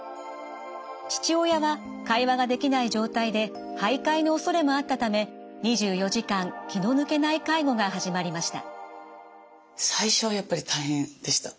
父親は会話ができない状態で徘徊のおそれもあったため２４時間気の抜けない介護が始まりました。